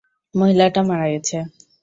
মহিলাটা মারা গেছে।